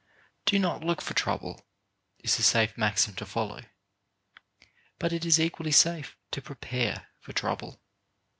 " Do not look for trou ble, " is a safe maxim to follow, but it is equally safe to prepare for trouble.